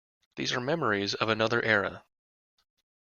These are memories of another era.